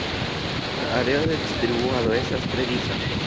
La areo de distribuado estas tre disa.